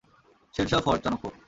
Sher Shah for Chanakya.